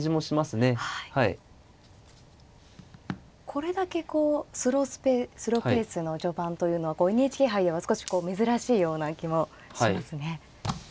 これだけこうスローペースの序盤というのはＮＨＫ杯では少し珍しいような気もしますね。